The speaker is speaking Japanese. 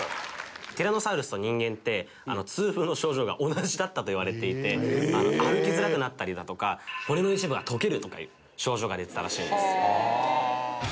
ティラノサウルスと人間って痛風の症状が同じだったといわれていて歩きづらくなったりだとか骨の一部が溶けるとかいう症状が出てたらしいんです。